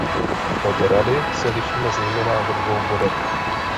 Od Rady se lišíme zejména ve dvou bodech.